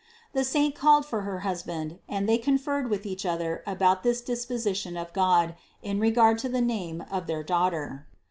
The saint called for her husband and they con ferred with each other about this disposition of God in regard to the name of their Daughter.